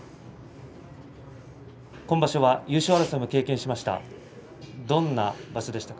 今場所は優勝争いも経験しました。